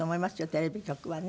テレビ局はね。